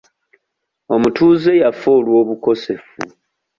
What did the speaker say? Omutuuze yafa olw'obukosefu.